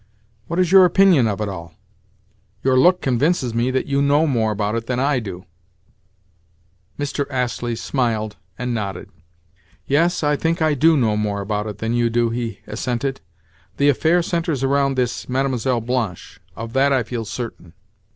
What is your opinion of it all? Your look convinces me that you know more about it than I do." Mr. Astley smiled and nodded. "Yes, I think I do know more about it than you do," he assented. "The affair centres around this Mlle. Blanche. Of that I feel certain."